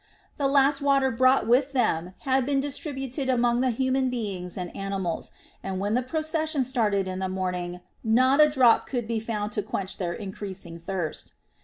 The last water brought with them had been distributed among the human beings and animals, and when the procession started in the morning not a drop could be found to quench their increasing thirst.